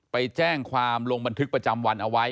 ไปแจ้งความลงบันทึกประจำวันเอาไว้